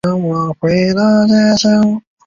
云桂虎刺为茜草科虎刺属下的一个种。